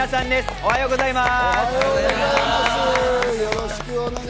おはようございます。